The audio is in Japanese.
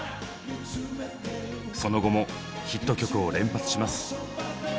その後もヒット曲を連発します。